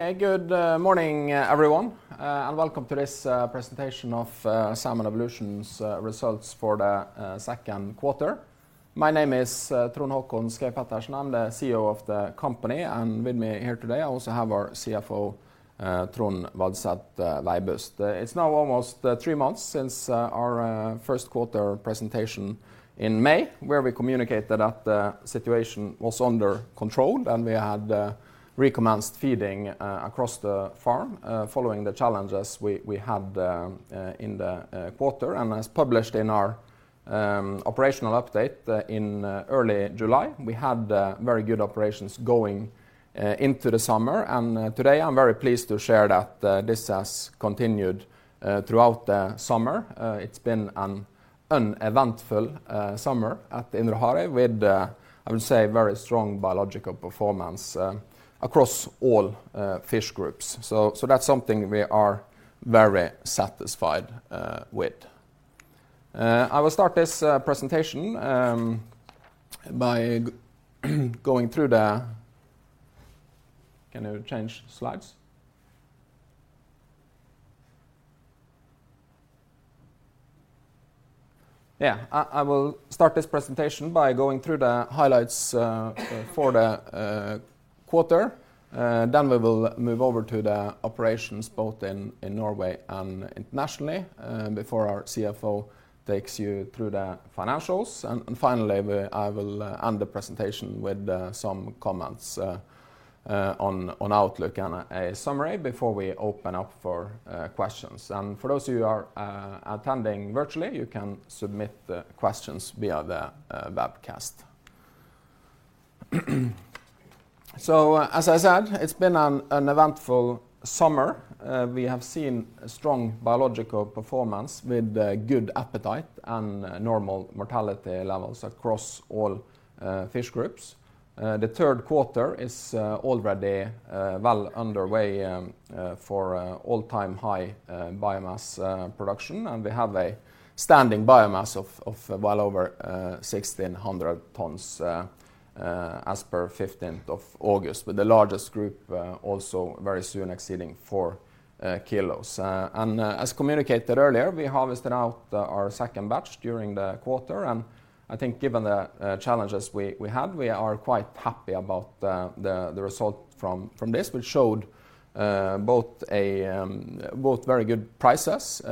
Hey, good morning, everyone, and welcome to this presentation of Salmon Evolution's results for the Q2. My name is Trond Håkon Schaug-Pettersen. I'm the CEO of the company, and with me here today, I also have our CFO, Trond Vadset Veibust. It's now almost three months since our Q1 presentation in May, where we communicated that the situation was under control, and we had recommenced feeding across the farm, following the challenges we, we had in the quarter. As published in our operational update, in early July, we had very good operations going into the summer. Today, I'm very pleased to share that this has continued throughout the summer. It's been an uneventful summer at Indre Harøy with, I would say, very strong biological performance across all fish groups. That's something we are very satisfied with. Can you change slides? Yeah. I will start this presentation by going through the highlights for the quarter. We will move over to the operations, both in, in Norway and internationally, before our CFO takes you through the financials. Finally, I will end the presentation with some comments on outlook and a summary before we open up for questions. For those of you who are attending virtually, you can submit the questions via the webcast. As I said, it's been an eventful summer. We have seen a strong biological performance with a good appetite and normal mortality levels across all fish groups. The Q3 is already well underway for an all-time high biomass production, and we have a standing biomass of well over 1,600 tons as per 15th of August, with the largest group also very soon exceeding 4 kilos. As communicated earlier, we harvested out our second batch during the quarter, and I think given the challenges we had, we are quite happy about the result from this, which showed both a, both very good prices,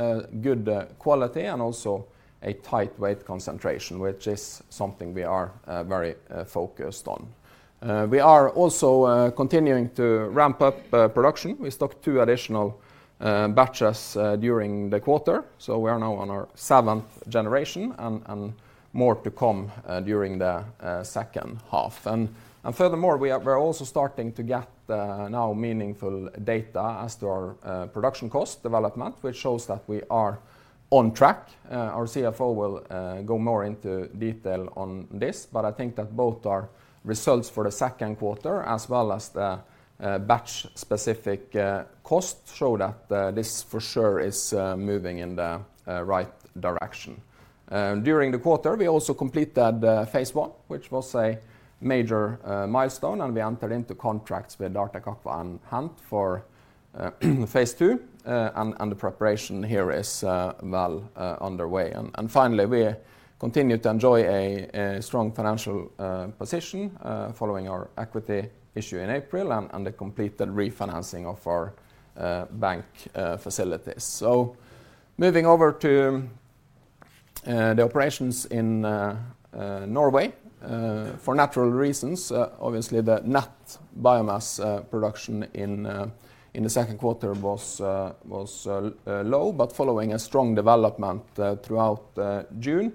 good quality, and also a tight weight concentration, which is something we are very focused on. We are also continuing to ramp up production. We stocked two additional batches during the quarter, so we are now on our seventh generation, and more to come during the second half. Furthermore, we're also starting to get now meaningful data as to our production cost development, which shows that we are on track. Our CFO will go more into detail on this, but I think that both our results for the Q2, as well as the batch-specific costs, show that this for sure is moving in the right direction. During the quarter, we also completed the Phase One, which was a major milestone, and we entered into contracts with Artec Aqua and HENT for Phase Two. The preparation here is well underway. Finally, we continue to enjoy a strong financial position following our equity issue in April and the completed refinancing of our bank facilities. Moving over to the operations in Norway. For natural reasons, obviously, the net biomass production in the Q2 was low. Following a strong development throughout June,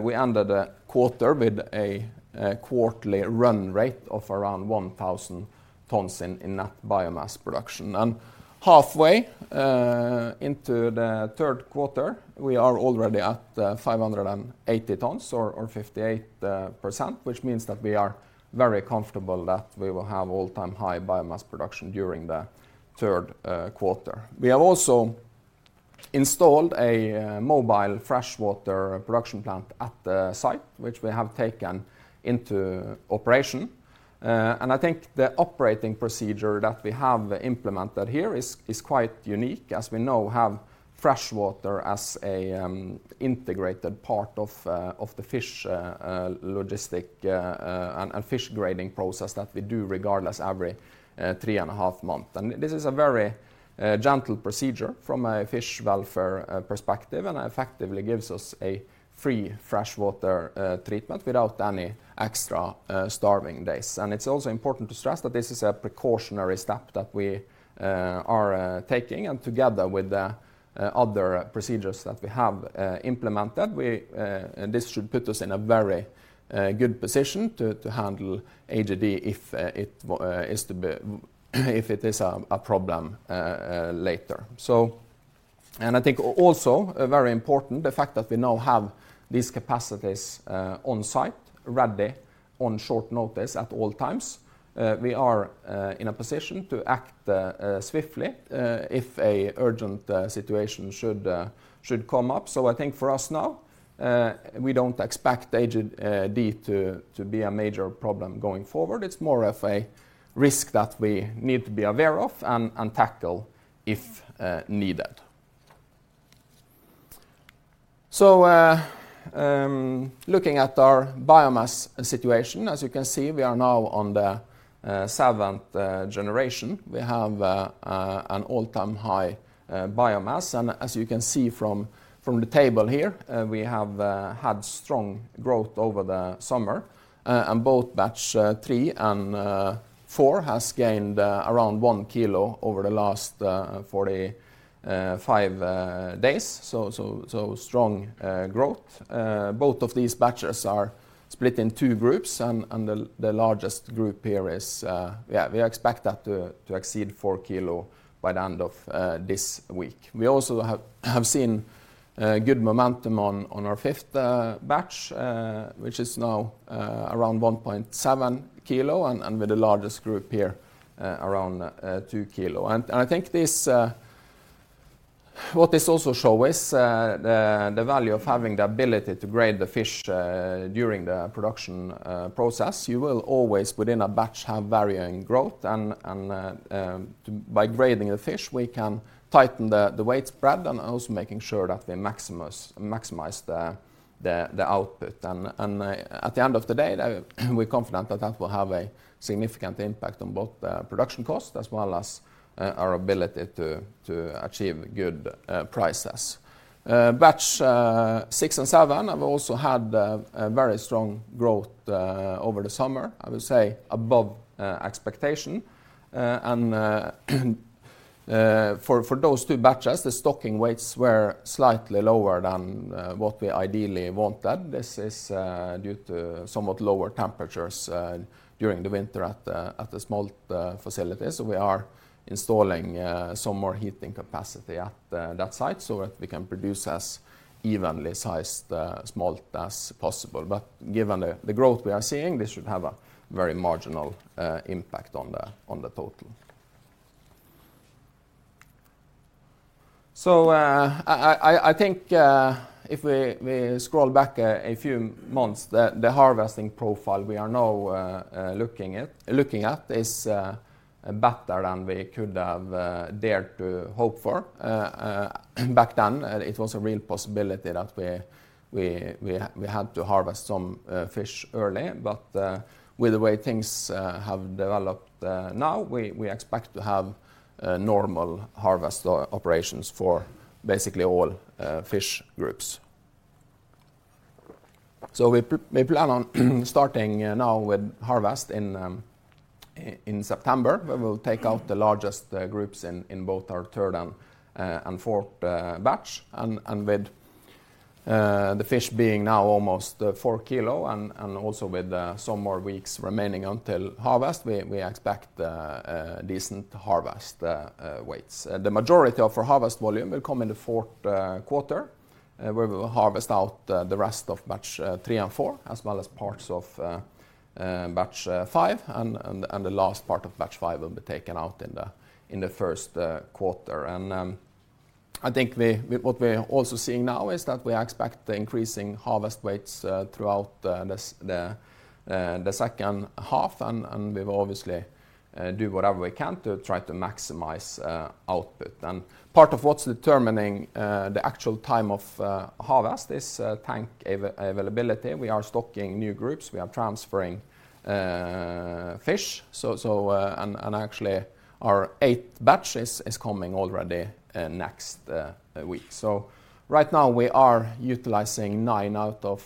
we ended the quarter with a quarterly run rate of around 1,000 tons in net biomass production. Halfway into the Q3, we are already at 580 tons or 58%, which means that we are very comfortable that we will have all-time high biomass production during the Q3. We have also installed a mobile freshwater production plant at the site, which we have taken into operation. I think the operating procedure that we have implemented here is quite unique, as we now have freshwater as an integrated part of the fish logistic and fish grading process that we do regardless every three and a half month. This is a very gentle procedure from a fish welfare perspective and effectively gives us a free freshwater treatment without any extra starving days. It's also important to stress that this is a precautionary step that we are taking, and together with the other procedures that we have implemented. This should put us in a very good position to handle AGD if it is to be, if it is a problem later. I think also, very important, the fact that we now have these capacities on site, ready on short notice at all times. We are in a position to act swiftly, if a urgent situation should come up. I think for us now, we don't expect AGD to be a major problem going forward. It's more of a risk that we need to be aware of and tackle if needed. Looking at our biomass situation, as you can see, we are now on the seventh generation. We have an all-time high biomass, and as you can see from the table here, we have had strong growth over the summer. Both batch three and four has gained around one kilo over the last 45 days. Strong growth. Both of these batches are split in two groups, the largest group here is. Yeah, we expect that to, to exceed 4 kilo by the end of this week. We also have, have seen good momentum on, on our fifth batch, which is now around 1.7 kilo and, and with the largest group here, around 2 kilo. I think this, what this also show is the, the value of having the ability to grade the fish during the production process. You will always, within a batch, have varying growth and, and by grading the fish, we can tighten the, the weight spread and also making sure that we maximize the, the, the output. At the end of the day, that we're confident that that will have a significant impact on both the production cost as well as our ability to achieve good prices. Batch 6 and 7 have also had a very strong growth over the summer, I would say above expectation. For those two batches, the stocking weights were slightly lower than what we ideally wanted. This is due to somewhat lower temperatures during the winter at the smolt facility. We are installing some more heating capacity at that site so that we can produce as evenly sized smolt as possible. Given the growth we are seeing, this should have a very marginal impact on the total. I think, if we scroll back a few months, the harvesting profile we are now looking at is better than we could have dared to hope for. Back then, it was a real possibility that we had to harvest some fish early, but with the way things have developed now, we expect to have normal harvest operations for basically all fish groups. We plan on starting now with harvest in September. We will take out the largest groups in both our third and fourth batch. With the fish being now almost 4 kilo and also with some more weeks remaining until harvest, we expect a decent harvest weights. The majority of our harvest volume will come in the Q4 where we will harvest out the rest of batch 3 and 4, as well as parts of batch 5. The last part of batch 5 will be taken out in the Q1. I think what we're also seeing now is that we expect the increasing harvest weights throughout the second half, and we will obviously do whatever we can to try to maximize output. Part of what's determining the actual time of harvest is tank availability. We are stocking new groups. We are transferring fish. Actually, our 8th batch is coming already next week. Right now, we are utilizing 9 out of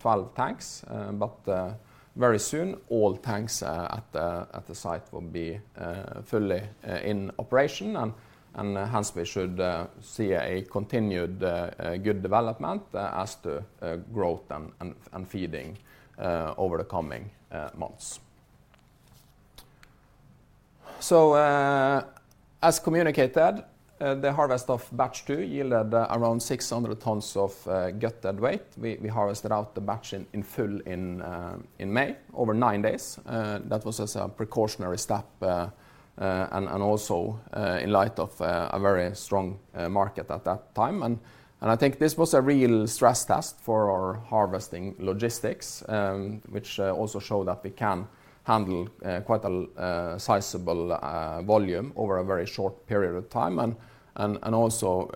12 tanks, but very soon, all tanks at the site will be fully in operation. Hence, we should see a continued good development as to growth and feeding over the coming months. As communicated, the harvest of batch two yielded around 600 tons of gutted weight. We harvested out the batch in full in May, over 9 days. That was as a precautionary step, and also in light of a very strong market at that time. I think this was a real stress test for our harvesting logistics, which also show that we can handle quite a sizable volume over a very short period of time, and, and, and also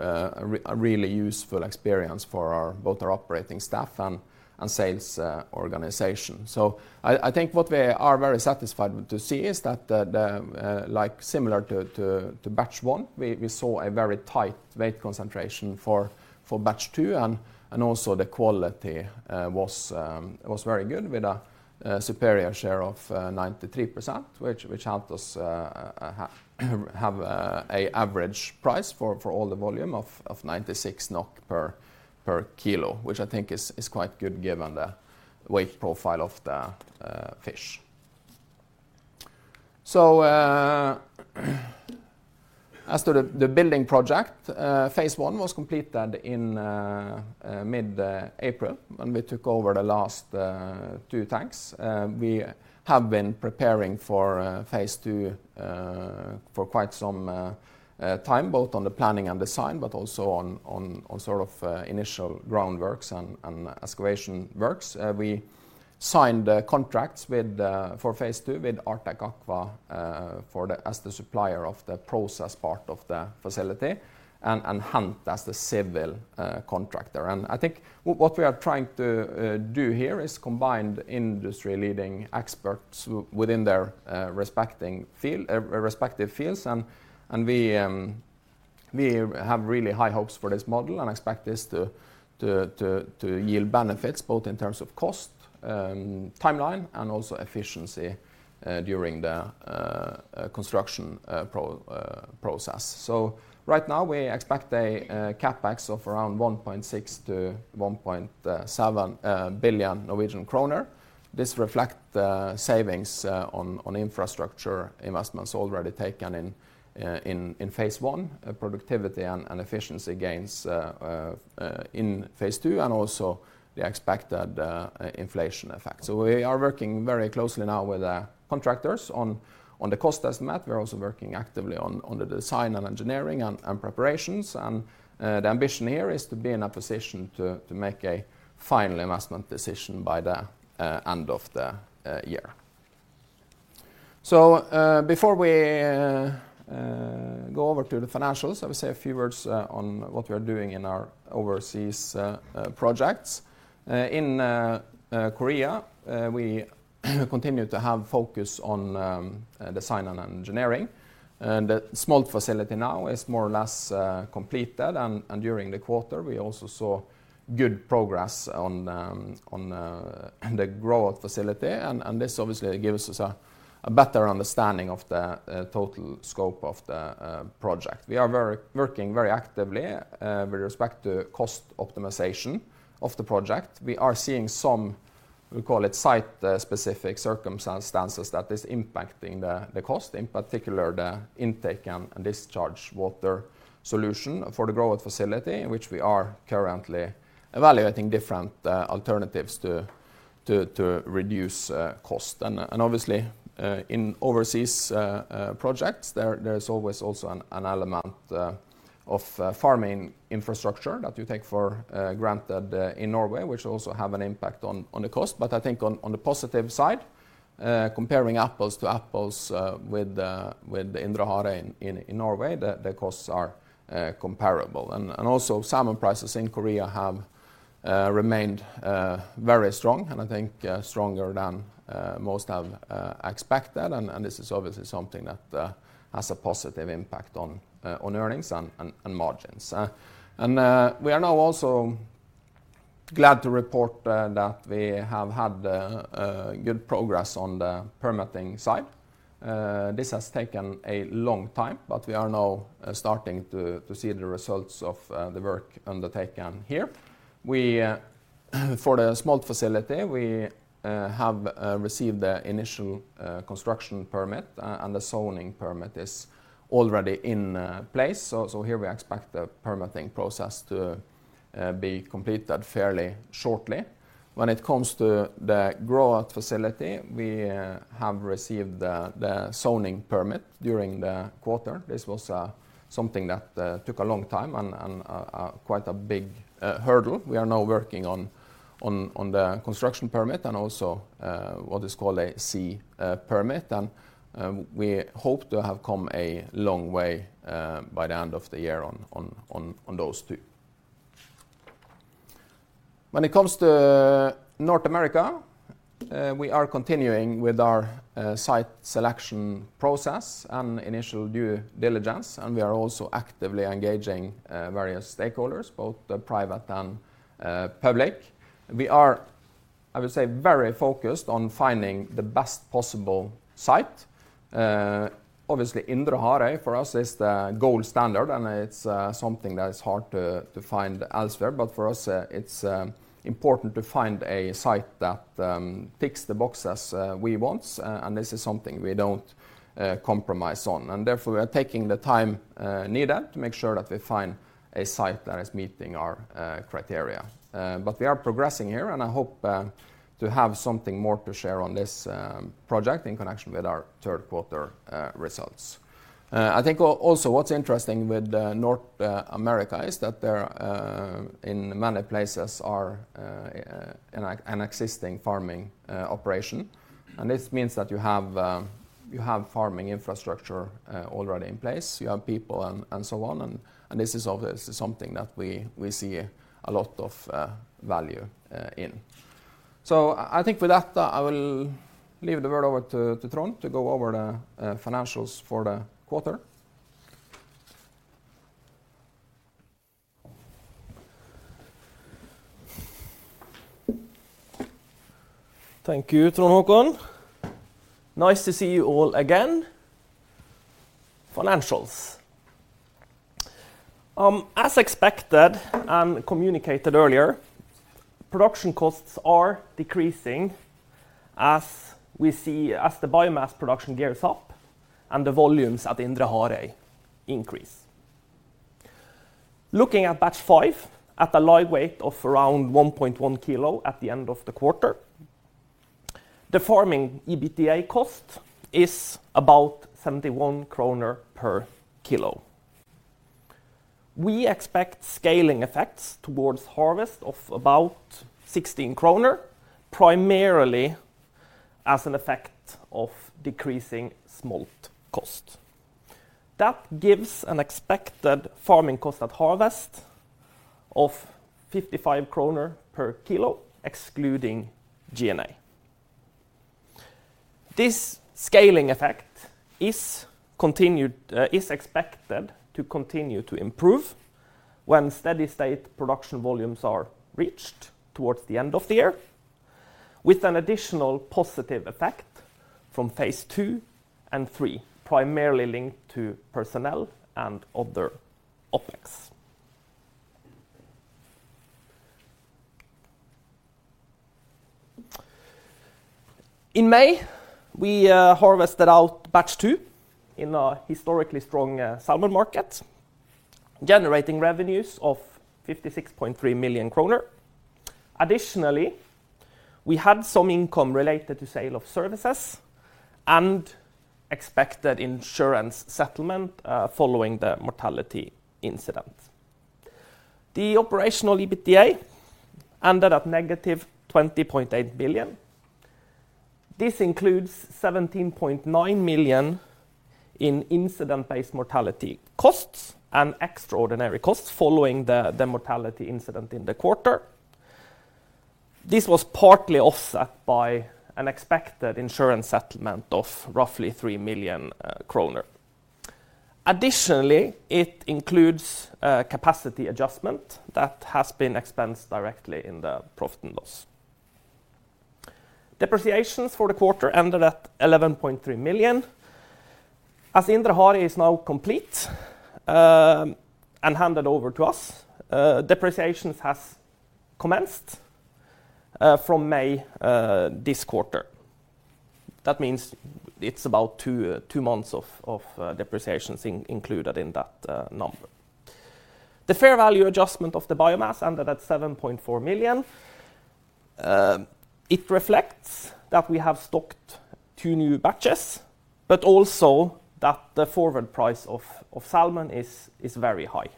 a really useful experience for our, both our operating staff and, and sales organization. I think what we are very satisfied with to see is that the like similar to batch one, we saw a very tight weight concentration for batch two, and also the quality was very good, with a superior share of 93%, which helped us have a average price for all the volume of 96 NOK per kilo, which I think is quite good given the weight profile of the fish. As to the building project, Phase One was completed in mid April, when we took over the last two tanks. We have been preparing for Phase Two for quite some time, both on the planning and design, but also on sort of initial groundworks and excavation works. We signed the contracts for Phase Two with Artec Aqua as the supplier of the process part of the facility, and HENT as the civil contractor. I think what we are trying to do here is combine the industry-leading experts within their respective fields, and we have really high hopes for this model, and expect this to yield benefits both in terms of cost, timeline, and also efficiency during the construction process. Right now, we expect CapEx of around 1.6 billion-1.7 billion Norwegian kroner. This reflect the savings on infrastructure investments already taken in Phase One, productivity and efficiency gains in Phase Two, and also the expected inflation effect. We are working very closely now with the contractors on the cost estimate. We are also working actively on the design and engineering and preparations. The ambition here is to be in a position to make a final investment decision by the end of the year. Before we go over to the financials, I will say a few words on what we are doing in our overseas projects. In Korea, we continue to have focus on design and engineering, the smolt facility now is more or less completed. During the quarter, we also saw good progress on the growth facility. This obviously gives us a better understanding of the total scope of the project. We are working very actively with respect to cost optimization of the project. We are seeing some, we call it, site-specific circumstances that is impacting the cost, in particular, the intake and discharge water solution for the growth facility, in which we are currently evaluating different alternatives to reduce cost. Obviously, in overseas projects, there, there is always also an element of farming infrastructure that you take for granted in Norway, which also have an impact on, on the cost. I think on, on the positive side, comparing apples to apples, with the Indre Hareid in Norway, the costs are comparable. Also, salmon prices in Korea have remained very strong, and I think stronger than most have expected. This is obviously something that has a positive impact on earnings and, and, and margins. We are now also glad to report that we have had good progress on the permitting side. This has taken a long time, we are now starting to see the results of the work undertaken here. We, for the smolt facility, we have received the initial construction permit, and the zoning permit is already in place. So here we expect the permitting process to be completed fairly shortly. When it comes to the growth facility, we have received the zoning permit during the quarter. This was something that took a long time and quite a big hurdle. We are now working on the construction permit and also what is called a sea permit, and we hope to have come a long way by the end of the year on those two. When it comes to North America, we are continuing with our site selection process and initial due diligence, and we are also actively engaging various stakeholders, both the private and public. We are, I would say, very focused on finding the best possible site. Obviously, Indre Hareid for us is the gold standard, and it's something that is hard to find elsewhere. For us, it's important to find a site that ticks the boxes we want, and this is something we don't compromise on. Therefore, we are taking the time needed to make sure that we find a site that is meeting our criteria. We are progressing here, and I hope to have something more to share on this project in connection with our Q3 results. I think also what's interesting with North America, is that there are in many places are an existing farming operation. This means that you have you have farming infrastructure already in place. You have people and so on, and this is obviously something that we see a lot of value in. I think with that, I will leave the word over to Trond to go over the financials for the quarter. Thank you, Trond Håkon. Nice to see you all again. Financials. As expected and communicated earlier, production costs are decreasing as the biomass production gears up and the volumes at Indre Hareid increase. Looking at batch 5, at a live weight of around 1.1 kilo at the end of the quarter, the farming EBITDA cost is about 71 kroner per kilo. We expect scaling effects towards harvest of about 16 kroner, primarily as an effect of decreasing smolt cost. That gives an expected farming cost at harvest of 55 kroner per kilo, excluding G&A. This scaling effect is continued, is expected to continue to improve when steady state production volumes are reached towards the end of the year, with an additional positive effect from Phase Two and Three, primarily linked to personnel and other OpEx. In May, we harvested out batch 2 in a historically strong salmon market, generating revenues of 56.3 million kroner. Additionally, we had some income related to sale of services and expected insurance settlement following the mortality incident. The operational EBITDA ended at -20.8 billion. This includes 17.9 million in incident-based mortality costs and extraordinary costs following the mortality incident in the quarter. This was partly offset by an expected insurance settlement of roughly 3 million kroner. Additionally, it includes a capacity adjustment that has been expensed directly in the profit and loss. Depreciation for the quarter ended at 11.3 million. As Indre Hareid is now complete and handed over to us, depreciation has commenced from May this quarter. That means it's about 2 months of depreciation included in that number. The fair value adjustment of the biomass ended at 7.4 million. It reflects that we have stocked 2 new batches, but also that the forward price of salmon is very high.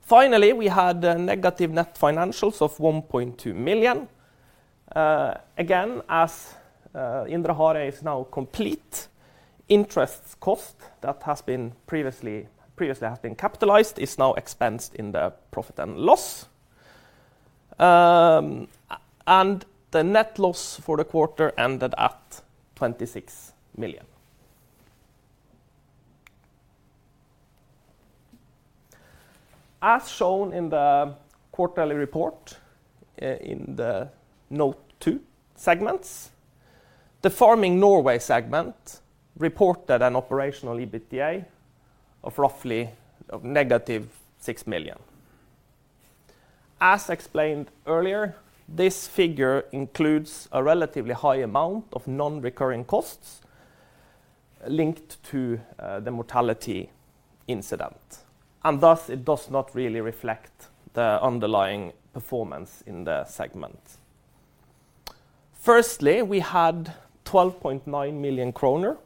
Finally, we had negative net financials of 1.2 million. Again, as Indre Hareid is now complete, interest cost that has been previously capitalized is now expensed in the Profit and Loss. The net loss for the quarter ended at 26 million. As shown in the quarterly report, in the note 2 segments, the Farming Norway segment reported an operational EBITDA of roughly negative 6 million. As explained earlier, this figure includes a relatively high amount of non-recurring costs linked to the mortality incident, thus it does not really reflect the underlying performance in the segment. Firstly, we had 12.9 million kroner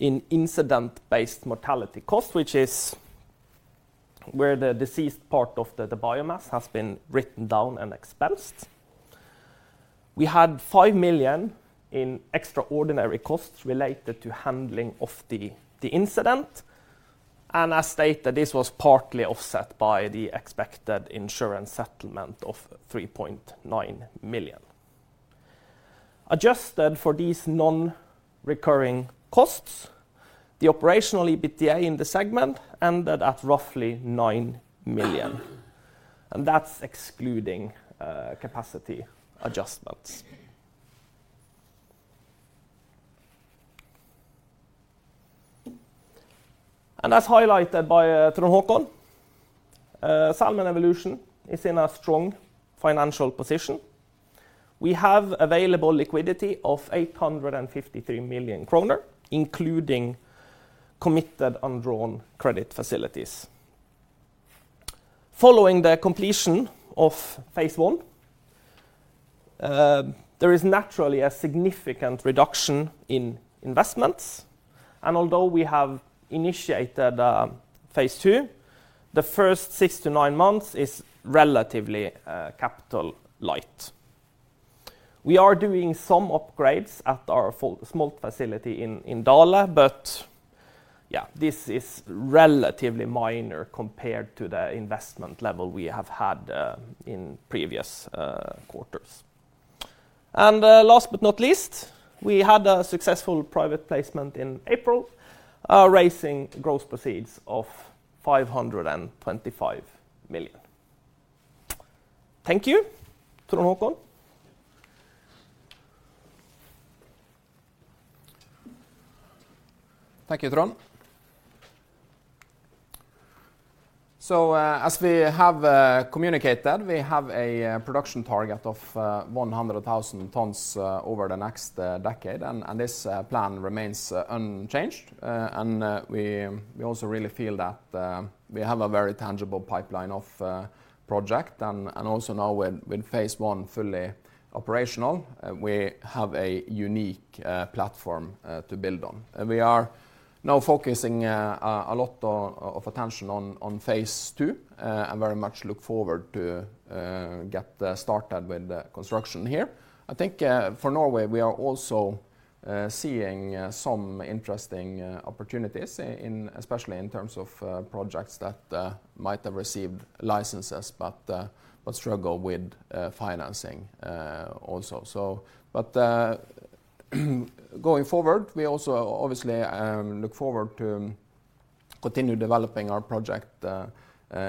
in incident-based mortality cost, which is where the deceased part of the biomass has been written down and expensed. We had 5 million in extraordinary costs related to handling of the incident, as stated, this was partly offset by the expected insurance settlement of 3.9 million. Adjusted for these non-recurring costs, the operational EBITDA in the segment ended at roughly 9 million, that's excluding capacity adjustments. As highlighted by Trond Håkon, Salmon Evolution is in a strong financial position. We have available liquidity of 853 million kroner, including committed undrawn credit facilities. Following the completion of Phase One, there is naturally a significant reduction in investments, and although we have initiated Phase Two, the first six to nine months is relatively capital light. We are doing some upgrades at our smolt facility in Dale, but yeah, this is relatively minor compared to the investment level we have had in previous quarters. Last but not least, we had a successful private placement in April, raising gross proceeds of 525 million. Thank you. Trond Håkon? Thank you, Trond. As we have communicated, we have a production target of 100,000 tons over the next decade, and this plan remains unchanged. We also really feel that we have a very tangible pipeline of project. Also now with Phase One fully operational, we have a unique platform to build on. We are now focusing a lot of attention on Phase Two and very much look forward to get started with the construction here. I think for Norway, we are also seeing some interesting opportunities in especially in terms of projects that might have received licenses, but struggle with financing also. Going forward, we also obviously look forward to continue developing our project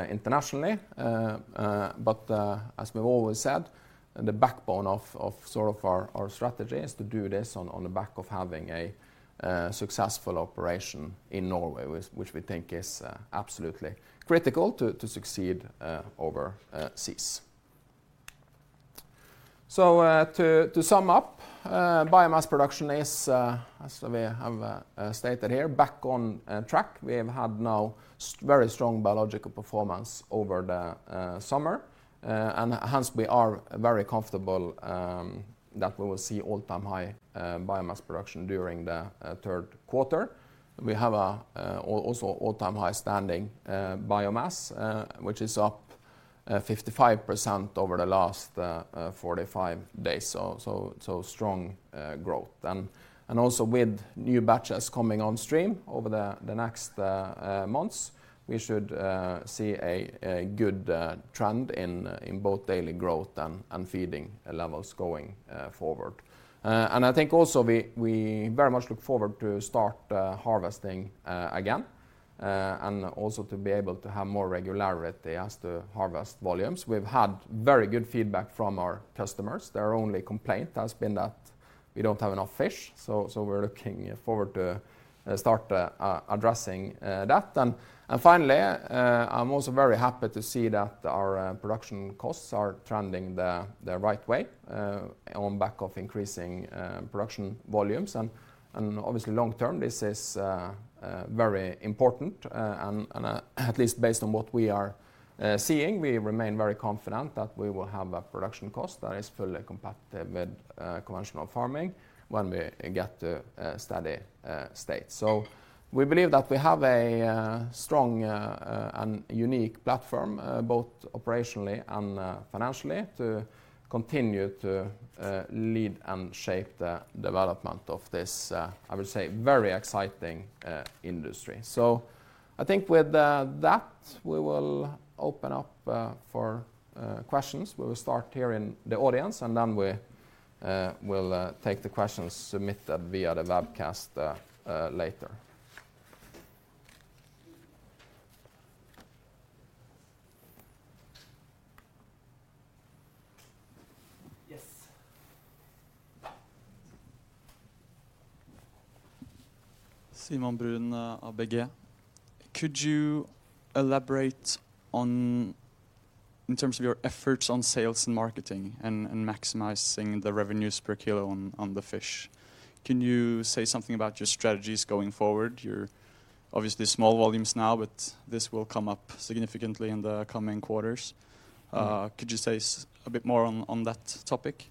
internationally. As we've always said, the backbone of, of sort of our, our strategy is to do this on, on the back of having a successful operation in Norway, which, which we think is absolutely critical to succeed overseas. To sum up, biomass production is as we have stated here, back on track. We have had now very strong biological performance over the summer, and hence, we are very comfortable that we will see all-time high biomass production during the Q3. We have a also all-time high standing biomass which is up 55% over the last 45 days, so, so, so strong growth. Also with new batches coming on stream over the, the next months, we should see a, a good trend in in both daily growth and, and feeding levels going forward. I think also we, we very much look forward to start harvesting again and also to be able to have more regularity as to harvest volumes. We've had very good feedback from our customers. Their only complaint has been that we don't have enough fish, so, so we're looking forward to start addressing that. Finally, I'm also very happy to see that our production costs are trending the right way on back of increasing production volumes. Obviously, long term, this is very important. At least based on what we are seeing, we remain very confident that we will have a production cost that is fully compatible with conventional farming when we get to steady state. We believe that we have a strong and unique platform, both operationally and financially, to continue to lead and shape the development of this, I would say, very exciting industry. I think with that, we will open up for questions. We will start here in the audience, and then we will take the questions submitted via the webcast later. Yes? Simon Brun, ABG. Could you elaborate on, in terms of your efforts on sales and marketing and, and maximizing the revenues per kilo on, on the fish? Can you say something about your strategies going forward? You're obviously small volumes now, but this will come up significantly in the coming quarters. Could you say a bit more on, on that topic?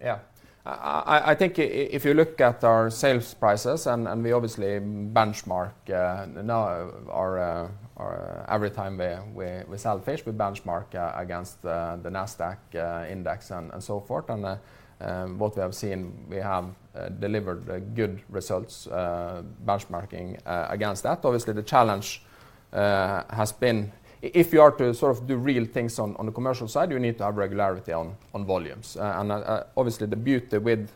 Yeah. I, I think if you look at our sales prices, and we obviously benchmark now our... Every time we, we sell fish, we benchmark against the Nasdaq Salmon Index and so forth. What we have seen, we have delivered good results benchmarking against that. Obviously, the challenge has been if you are to sort of do real things on the commercial side, you need to have regularity on volumes. Obviously, the beauty with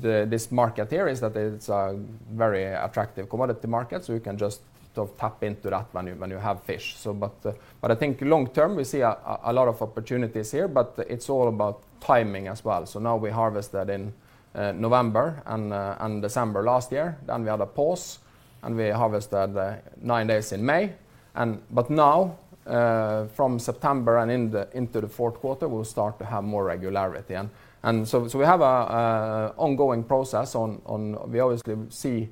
this market here is that it's a very attractive commodity market, so you can just sort of tap into that when you, when you have fish. But I think long-term, we see a lot of opportunities here, but it's all about timing as well. Now we harvested in November and December last year, then we had a pause, and we harvested nine days in May. But now, from September and into the Q4, we'll start to have more regularity. So, we have a ongoing process on. We obviously see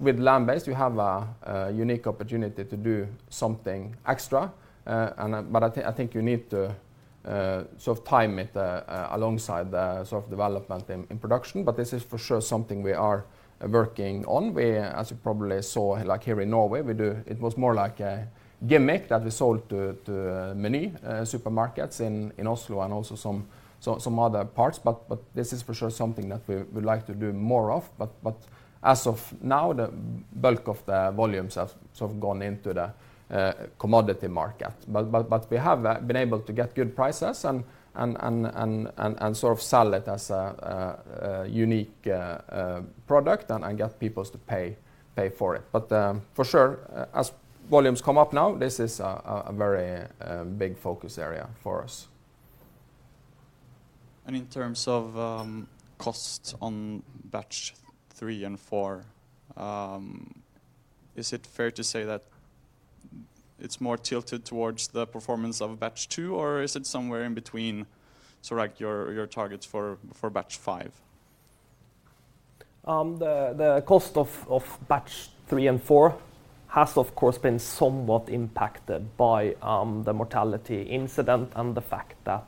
with land-based, we have a unique opportunity to do something extra. But I think you need to sort of time it alongside the sort of development in production, but this is for sure something we are working on. We, as you probably saw, like here in Norway, it was more like a gimmick that we sold to many supermarkets in Oslo and also some other parts. This is for sure something that we would like to do more of. As of now, the bulk of the volumes have sort of gone into the commodity market. We have been able to get good prices and, and, and, and, and, and sort of sell it as a unique product and get peoples to pay, pay for it. For sure, as volumes come up now, this is a very big focus area for us. In terms of cost on batch 3 and 4, is it fair to say that it's more tilted towards the performance of batch 2, or is it somewhere in between, so like your targets for batch 5? The, the cost of, of batch 3 and 4 has, of course, been somewhat impacted by the mortality incident and the fact that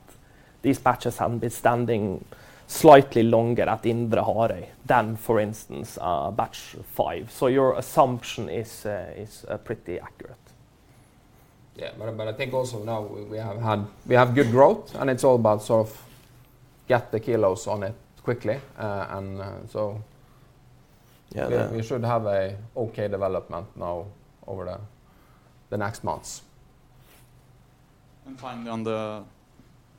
these batches have been standing slightly longer at Indre Hareid than, for instance, batch 5. Your assumption is pretty accurate. I think also now we have good growth, and it's all about sort of get the kilos on it quickly. And so. Yeah. we, we should have a okay development now over the, the next months. Finally, on the,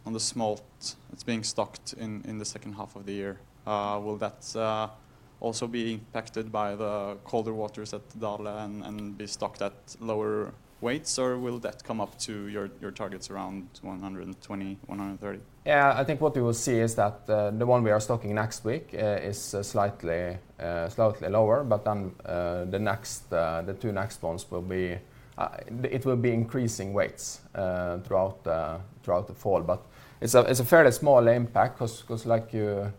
on the smolt that's being stocked in, in the second half of the year, will that also be impacted by the colder waters at Dale and, and be stocked at lower weights, or will that come up to your, your targets around 120, 130? Yeah, I think what you will see is that, the one we are stocking next week, is slightly, slightly lower, but then, the next, the two next ones will be. It will be increasing weights, throughout the, throughout the fall. It's a, it's a fairly small impact because, because like you,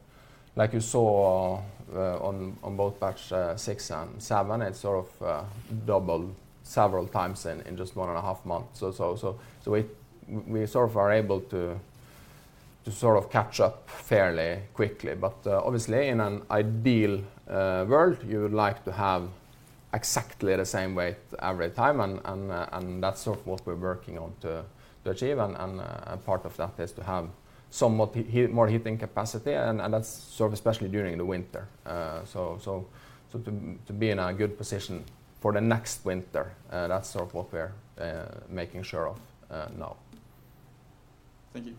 like you saw, on, on both batch, six and seven, it's sort of, doubled several times in, in just one and a half months. We, we sort of are able to, to sort of catch up fairly quickly. Obviously, in an ideal, world, you would like to have exactly the same weight every time, and, and, and that's sort of what we're working on to, to achieve. A part of that is to have somewhat more heating capacity, and that's sort of especially during the winter. To be in a good position for the next winter, that's sort of what we're making sure of, now. Thank you.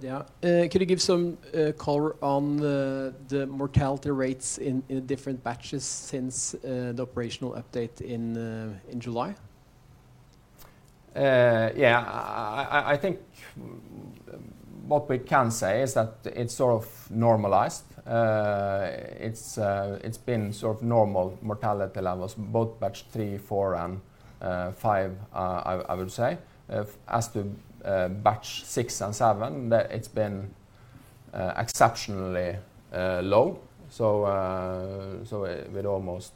Yeah. could you give some color on the, the mortality rates in, in different batches since the operational update in July? Yeah. I think what we can say is that it's sort of normalized. It's, it's been sort of normal mortality levels, both batch 3, 4, and 5, I, I would say. As to batch 6 and 7, it's been exceptionally low, so with almost,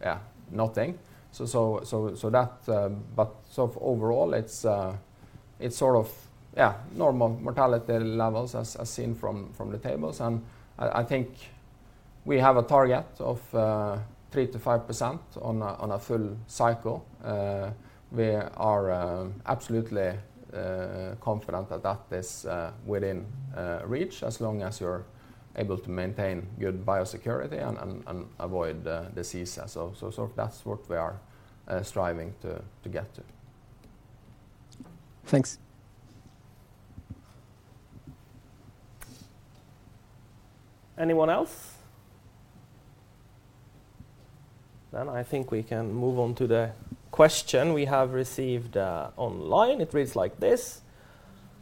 yeah, nothing. Sort of overall, it's, it's sort of, yeah, normal mortality levels as, as seen from, from the tables. I, I think we have a target of 3%-5% on a, on a full cycle. We are absolutely confident that that is within reach as long as we're able to maintain good biosecurity and, and, and avoid the disease. That's what we are striving to, to get to. Thanks. Anyone else? I think we can move on to the question we have received online. It reads like this: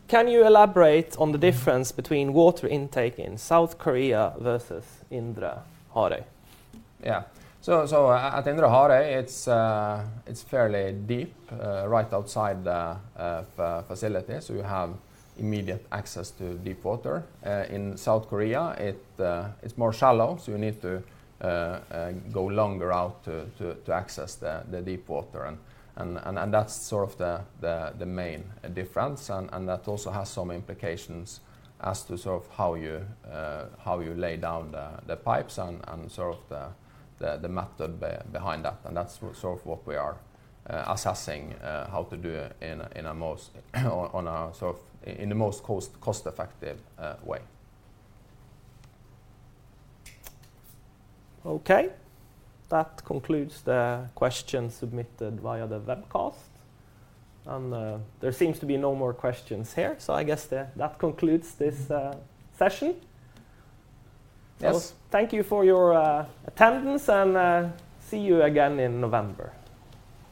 "Can you elaborate on the difference between water intake in South Korea versus Indre Hareid? Yeah. So, so at Indre Hareid, it's fairly deep right outside the facility, so you have immediate access to deep water. In South Korea, it's more shallow, so you need to go longer out to, to, to access the deep water. That's sort of the, the, the main difference, and, and that also has some implications as to sort of how you lay down the pipes and, and sort of the, the, the method behind that. That's sort of what we are assessing how to do in a, in a most, on a, sort of, in the most cost, cost-effective way. Okay. That concludes the questions submitted via the webcast. There seems to be no more questions here, so I guess that concludes this session. Yes. Thank you for your attendance, and see you again in November.